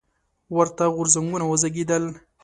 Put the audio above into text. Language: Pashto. ورته غورځنګونه وزېږېدل.